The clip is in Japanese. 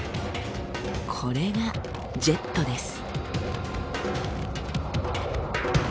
これがジェットです。